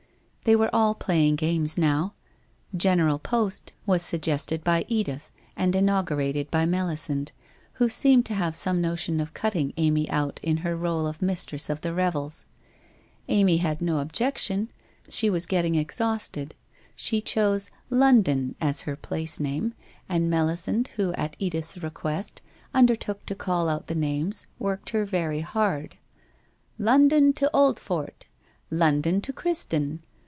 . They were all playing games now. ' General Post ' was 364 WHITE ROSE OF WEARY LEAF suggested by Edith and inaugurated by Melisande, who seemed to have some notion of cutting Amy out in her role of mistress of the revels. Amy had no objection, she was getting exhausted. She chose ' London ' as her place name, and Melisande, who at Edith's request, undertook to call out the names, worked her very hard. ' London to Old fort !'' London to Criston